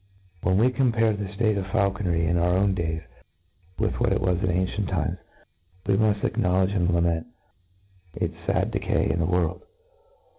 When we compare the ftate of faulconry in our own days with what it was in ancient times, we muft acknowledge and lament its lad decay in the world.